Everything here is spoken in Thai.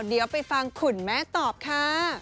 เดี๋ยวไปฟังคุณแม่ตอบค่ะ